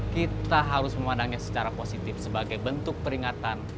kita harus memandangnya secara positif sebagai bentuk peringatan